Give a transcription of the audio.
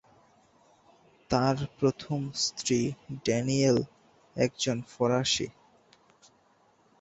তাঁর প্রথম স্ত্রী ড্যানিয়েল, একজন ফরাসি।